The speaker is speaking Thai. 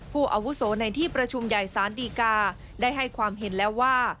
อาวุโสในที่ประชุมใหญ่ศาลดีกาได้ให้ความเห็นแล้วว่า